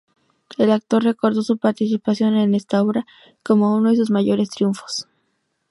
El actor recordó su participación en esta obra como uno de sus mayores triunfos.